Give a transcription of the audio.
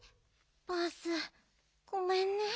バースごめんね。